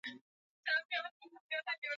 Sikutaka kulipa pesa.